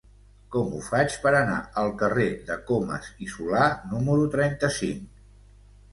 Com ho faig per anar al carrer de Comas i Solà número trenta-cinc?